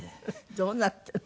どうなっているの。